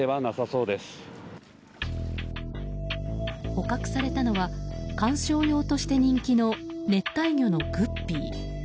捕獲されたのは観賞用として人気の熱帯魚のグッピー。